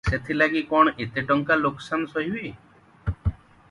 ସେଥିଲାଗି କଣ ଏତେ ଟଙ୍କା ଲୋକସାନ ସହିବି?